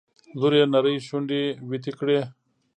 لور يې نرۍ شونډې ويتې کړې.